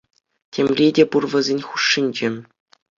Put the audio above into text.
Темли те пур вӗсен хушшинче.